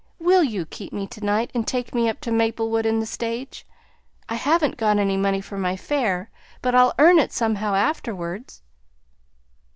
Will you keep me to night and take me up to Maplewood in the stage? I haven't got any money for my fare, but I'll earn it somehow afterwards."